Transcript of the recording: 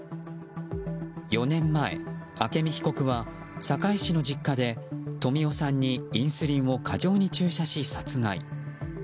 ４年前、朱美被告は堺市の実家で富夫さんにインスリンを過剰に注射し、殺害。